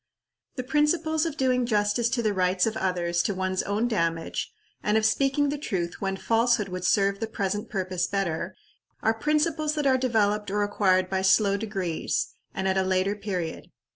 The principles of doing justice to the rights of others to one's own damage, and of speaking the truth when falsehood would serve the present purpose better, are principles that are developed or acquired by slow degrees, and at a later period.